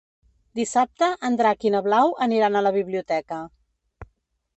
Dissabte en Drac i na Blau aniran a la biblioteca.